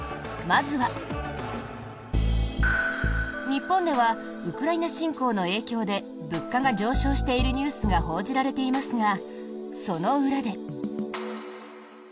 日本ではウクライナ侵攻の影響で物価が上昇しているニュースが報じられていますがその裏で。